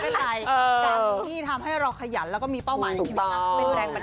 ไม่เป็นไรการมีหนี้ทำให้เราขยันแล้วก็มีเป้าหมายในชีวิต